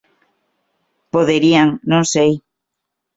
Poderían, non sei.